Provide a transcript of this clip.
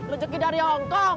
rezeki dari hongkong